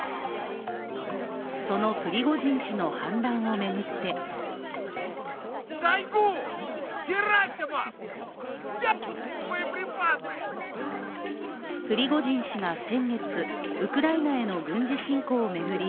そのプリゴジン氏の反乱を巡ってプリゴジン氏が先月、ウクライナへの軍事侵攻を巡り